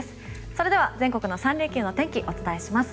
それでは全国の３連休の天気お伝えします。